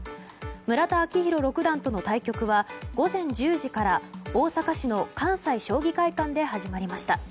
村田顕弘六段との対局は午前１０時から大阪市の関西将棋会館で始まりました。